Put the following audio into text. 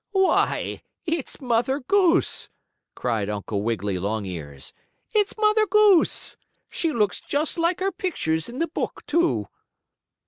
"Why, it's Mother Goose!" cried Uncle Wiggily Longears. "It's Mother Goose! She looks just like her pictures in the book, too."